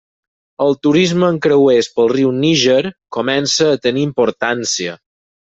El turisme amb creuers pel riu Níger comença a tenir importància.